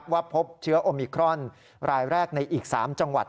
พบเชื้อโอมิครอนรายแรกในอีก๓จังหวัด